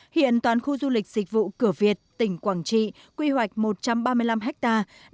hiện toàn khu du lịch dịch vụ cửa việt tỉnh quảng trị quy hoạch một trăm ba mươi năm hectare